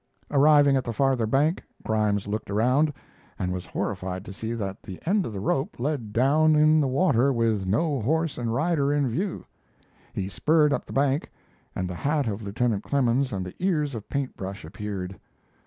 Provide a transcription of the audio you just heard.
Arriving at the farther bank, Grimes looked around, and was horrified to see that the end of the rope led down in the water with no horse and rider in view. He spurred up the bank, and the hat of Lieutenant Clemens and the ears of Paint Brush appeared.